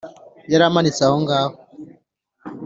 yari imanitse aho ngaho,